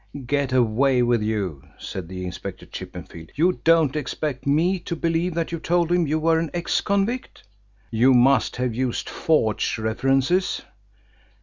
"Get away with you," said Inspector Chippenfield. "You don't expect me to believe that you told him you were an ex convict? You must have used forged references."